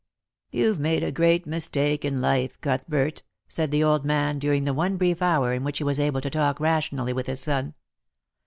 "You've made a great mistake in life, Cuthbert," said the old man, during the one brief hour in which he was able to talk rationally with his son.